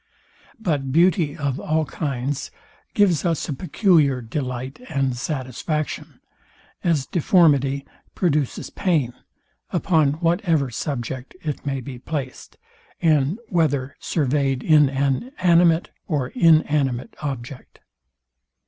But beauty of all kinds gives us a peculiar delight and satisfaction; as deformity produces pain, upon whatever subject it may be placed, and whether surveyed in an animate or inanimate object.